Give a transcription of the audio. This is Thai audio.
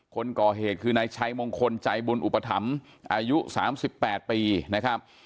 คนก่อเหตุคือนายชัยมงคลใจบุญอุปถัมภ์อายุ๓๘ปีนะครับ